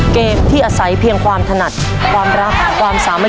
เกมที่อาศัยเพียงความถนัดความรักความสามัคค